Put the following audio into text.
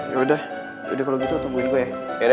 yaudah udah kalo gitu tungguin gue ya